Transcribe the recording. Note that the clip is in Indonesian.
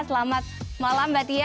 selamat malam mbak tia